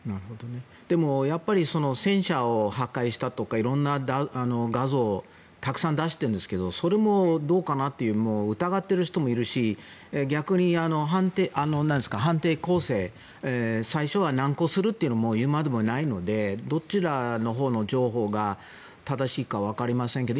でも、やっぱり戦車を破壊したとかいろんな画像をたくさん出していますがそれも、どうかなって疑っている人もいるし逆に反転攻勢最初は難航するというのは言うまでもないのでどちらの情報が正しいかは分かりませんけど。